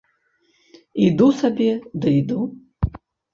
Іду сабе ды іду.